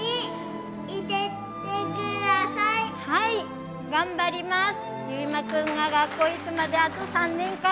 はい頑張ります！